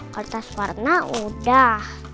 kertas warna udah